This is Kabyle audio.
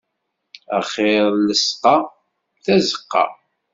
Axir llesqa, tazeqqa.